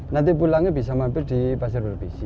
nanti pulangnya bisa mampir di pasir berbisik